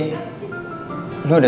jadi aku mau di